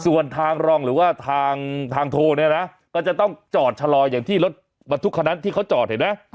ส่วนทางรองหรือว่าทางโทรเนี่ยนะก็จะต้องจอดชะลออย่างที่รถบรรทุกคนนั้นที่เขาจอดเห็นไหม